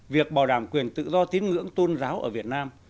việc bảo đảm quyền tự do tín ngưỡng tôn giáo ở việt nam